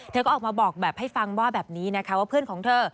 เธอก็ออกมาบอกแบบให้ฟังว่าแบบนี้นะคะว่าเพื่อนของเธอ